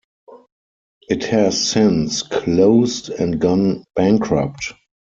It has since closed and gone bankrupt.